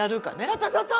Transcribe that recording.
ちょっとちょっと！